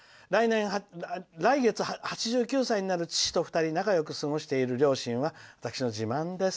「来月、８９歳になる父と２人で仲よく暮らしている両親は私の自慢です」。